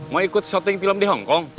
mau ikut shotting film di hongkong